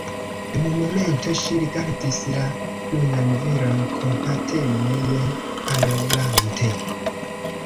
Dum momento ŝi rigardis la junan viron kompateme, ne parolante.